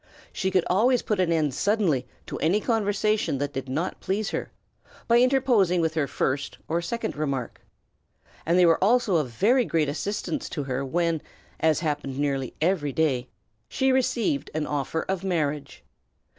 She could always put an end suddenly to any conversation that did not please her, by interposing with her first or second remark; and they were also a very great assistance to her when, as happened nearly every day, she received an offer of marriage.